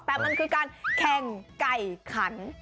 แต่มันคือการแข่งไก่ขัน